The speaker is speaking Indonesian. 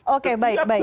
oke baik baik